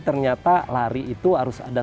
ternyata lari itu harus ada